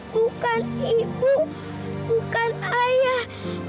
bukan ibu bukan ayah